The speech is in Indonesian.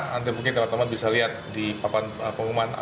nanti mungkin teman teman bisa lihat di panggilan